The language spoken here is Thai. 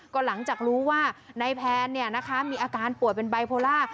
ก็หลังจากรู้ว่านายแพนมีอาการป่วยเป็นไบโพล่า